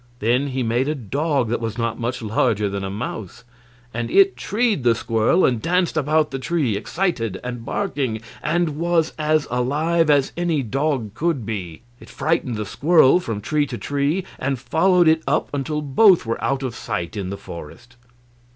Then he made a dog that was not much larger than a mouse, and it treed the squirrel and danced about the tree, excited and barking, and was as alive as any dog could be. It frightened the squirrel from tree to tree and followed it up until both were out of sight in the forest.